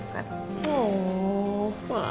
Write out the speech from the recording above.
ini saya bikin jus ala krim kak